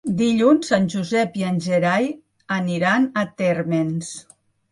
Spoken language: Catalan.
Dilluns en Josep i en Gerai aniran a Térmens.